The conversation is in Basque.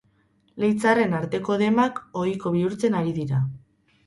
Leitzarren arteko demak ohiko bihurtzen ari dira.